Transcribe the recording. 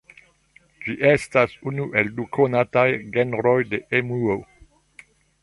Ĝi estas unu el du konataj genroj de emuo.